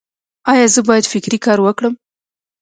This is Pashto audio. ایا زه باید فکري کار وکړم؟